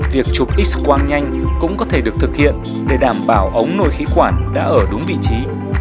việc chụp x quang nhanh cũng có thể được thực hiện để đảm bảo ống nồi khí quản đã ở đúng vị trí